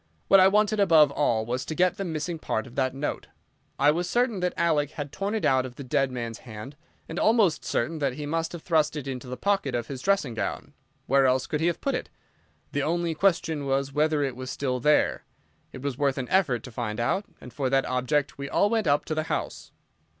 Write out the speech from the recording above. What I wanted above all was to get the missing part of that note. I was certain that Alec had torn it out of the dead man's hand, and almost certain that he must have thrust it into the pocket of his dressing gown. Where else could he have put it? The only question was whether it was still there. It was worth an effort to find out, and for that object we all went up to the house.